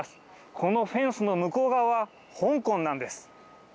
このフェンスの向こう側は香港なんです。